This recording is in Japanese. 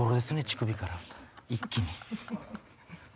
乳首から一気に。